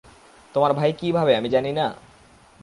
তোমার ভাই কি ভাবে আমি জানি না?